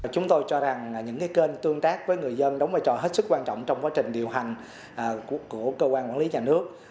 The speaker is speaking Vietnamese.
chúng tôi cho rằng những kênh tương tác với người dân đóng vai trò hết sức quan trọng trong quá trình điều hành của cơ quan quản lý nhà nước